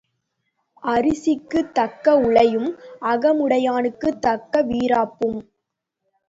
அரிசிக்குத் தக்க உலையும் அகமுடையானுக்குத் தக்க வீறாப்பும்.